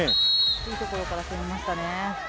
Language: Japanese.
いいところから攻めましたね。